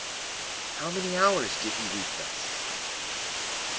How many hours did he weep thus?